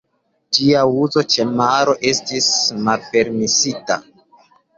Ĝia uzo ĉe maro estis malpermesita.